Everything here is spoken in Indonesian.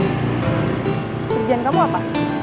kerjaan kamu apa